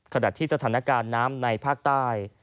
ขณะที่สถานการณ์น้ำในภาคใต้